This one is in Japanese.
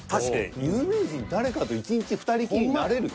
有名人誰かと一日２人きりになれる。